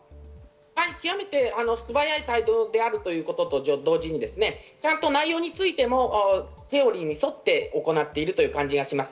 極めて素早い対応だということと同時に内容についてもセオリーに沿って行っているという感じがします。